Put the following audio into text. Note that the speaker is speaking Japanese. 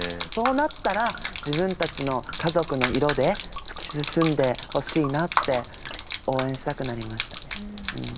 そうなったら自分たちの家族の色で突き進んでほしいなって応援したくなりましたね。